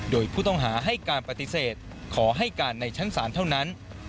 โดยผู้ต้องหาให้การปฏิเสธขอให้การในชั้นศาลเท่านั้น